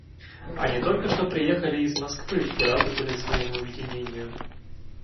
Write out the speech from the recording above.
Они только что приехали из Москвы и рады были своему уединению.